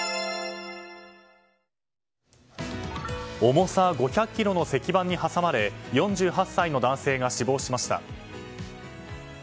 重さ５００ｋｇの石版に挟まれ４８歳の男性が死亡しました。